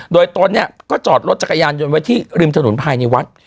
โดยตนเนี่ยก็จอดรถจักรยานยนต์ไว้ที่ริมถนนภายในวัด